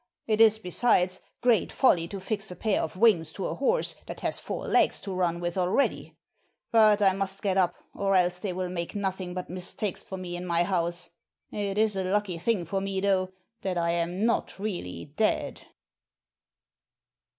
It is, besides, great folly to fix a pair of wings to a horse that has four legs to run with already! But I must get up, or else they will make nothing but mistakes for me in my house. It is a lucky thing for me though, that I am not really dead."